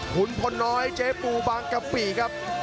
คุณพลน้อยเจ๊ปูบางกะปิครับ